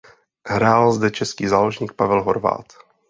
Hrál zde český záložník Pavel Horváth.